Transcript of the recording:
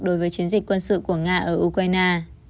đối với chiến dịch quân sự của nga ở ukraine